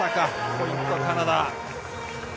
ポイント、カナダ。